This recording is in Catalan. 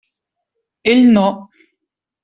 Ell no.